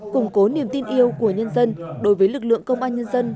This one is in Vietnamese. củng cố niềm tin yêu của nhân dân đối với lực lượng công an nhân dân